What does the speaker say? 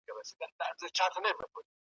بې تجربې سړی ژر له منځه ځي.